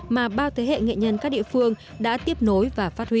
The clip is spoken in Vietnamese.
mà bao thế hệ nghệ nhân các địa phương đã tiếp nối và phát huy